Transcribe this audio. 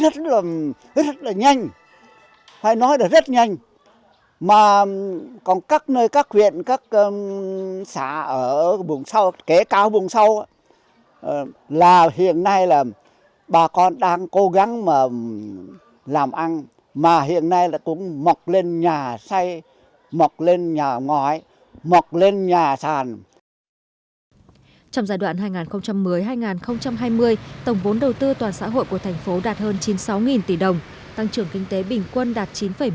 trong giai đoạn hai nghìn một mươi hai nghìn hai mươi tổng vốn đầu tư toàn xã hội của thành phố đạt hơn chín mươi sáu tỷ đồng tăng trưởng kinh tế bình quân đạt chín một mươi sáu